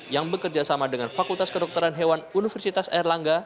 yang bekerja sama dengan fakultas kedokteran hewan universitas erlangga